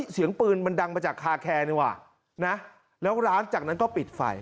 เสียงปืนมันดังมาจากคาแคร์นี่ว่ะนะแล้วร้านจากนั้นก็ปิดไฟ